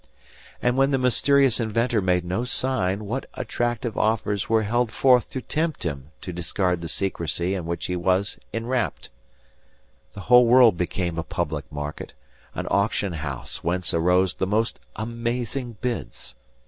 And, when the mysterious inventor made no sign, what attractive offers were held forth to tempt him to discard the secrecy in which he was enwrapped! The whole world became a public market, an auction house whence arose the most amazing bids.